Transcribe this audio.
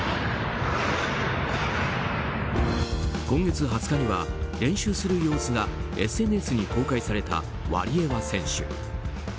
今月２０日には練習する様子がＳＮＳに公開されたワリエワ選手。